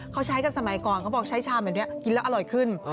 เขาใช้กันสมัยก่อนเขาบอกใช้ชามแบบนี้กินแล้วอร่อยขึ้น